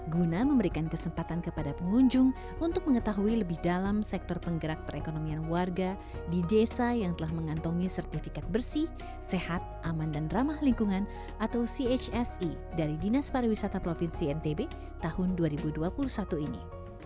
guna memberikan kesempatan kepada pengunjung untuk mengetahui lebih dalam sektor penggerak perekonomian warga di desa yang telah mengantongi sertifikat bersih sehat aman dan ramah lingkungan atau chse dari dinas pariwisata provinsi ntb tahun dua ribu dua puluh satu ini